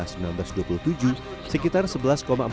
sekitar sebelas empat juta orang berguna tram